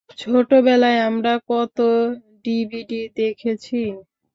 ছোটবেলায় আমরা কত ডিভিডি দেখেছি?